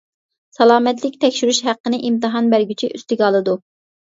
سالامەتلىك تەكشۈرۈش ھەققىنى ئىمتىھان بەرگۈچى ئۈستىگە ئالىدۇ.